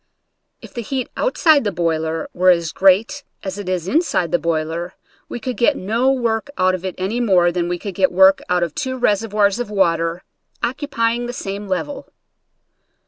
If the heat outside of the boiler were as great as it is inside of the boiler we could get no work out of it any more than we could get work out of two reservoirs of water occupying the same level.